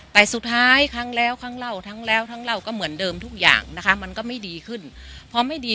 แต่สุดท้ายทั้งแล้วทั้งเล่าทั้งแล้วทั้งเล่าก็เหมือนเดิมทุกอย่างนะคะ